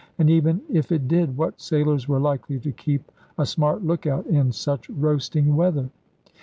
And even if it did, what sailors were likely to keep a smart look out in such roasting weather?